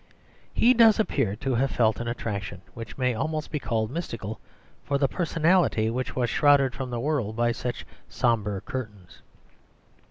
He does appear to have felt an attraction, which may almost be called mystical, for the personality which was shrouded from the world by such sombre curtains.